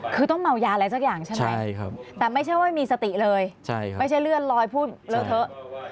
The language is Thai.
คือต้องเมายาอะไรสักอย่างใช่ไหมแต่ไม่ใช่ว่าไม่มีสติเลยไม่ใช่เลื่อนลอยพูดเลอะเทอะ